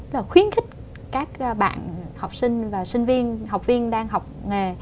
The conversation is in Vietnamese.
là khuyến khích các bạn học sinh và sinh viên học viên đang học nghề